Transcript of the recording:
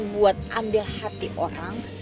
buat ambil hati orang